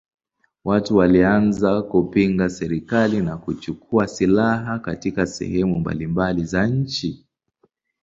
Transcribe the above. Watu walianza kupinga serikali na kuchukua silaha katika sehemu mbalimbali za nchi.